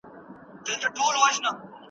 مخینه د موضوع ریښې موږ ته ښیي.